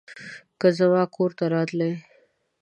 که زما کور ته راتلې